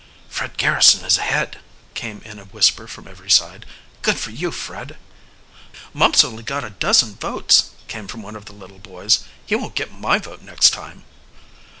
"Fred Garrison is ahead!" came in a whisper from every side. "Good for you, Fred!" "Mumps only got a dozen votes," came from one of the little boys. "He won't get my vote next time."